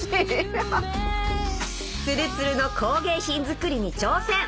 ツルツルの工芸品作りに挑戦